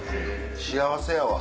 幸せやわ。